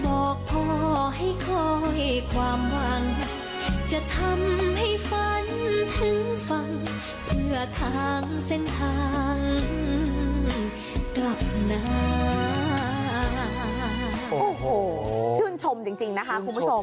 โอ้โหชื่นชมจริงนะคะคุณผู้ชม